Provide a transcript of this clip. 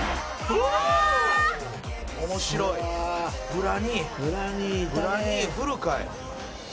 ブラ兄フルかい。